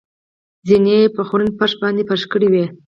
زېنې یې په خوړین فرش باندې فرش کړې وې.